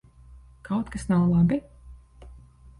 Kaut kas nav labi?